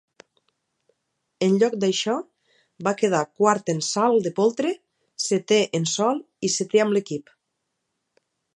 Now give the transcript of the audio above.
En lloc d'això, va quedar quart en salt de poltre, setè en sòl i setè amb l'equip.